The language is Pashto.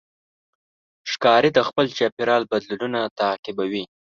ښکاري د خپل چاپېریال بدلونونه تعقیبوي.